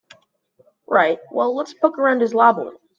Right, well let's poke around his lab a little.